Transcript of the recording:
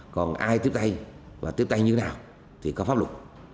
còn ai tiếp tay và tiếp tay như nào thì có pháp luật